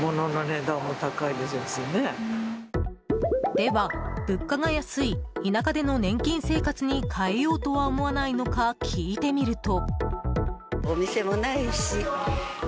では、物価が安い田舎での年金生活に変えようとは思わないのか聞いてみると。